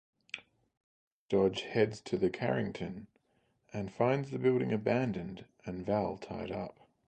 Dodge heads to The Carrington and finds the building abandoned and Val tied up.